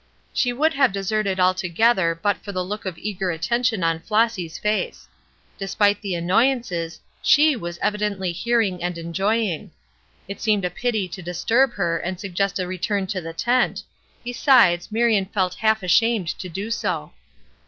She would have deserted altogether but for the look of eager attention on Flossy's face. Despite the annoyances, she was evidently hearing and enjoying. It seemed a pity to disturb her and suggest a return to the tent; besides, Marion felt half ashamed to do so.